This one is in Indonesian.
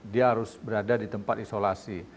dia harus berada di tempat isolasi